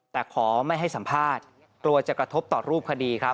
แต่ขอไม่ให้สัมภาษณ์กลัวจะกระทบต่อรูปคดีครับ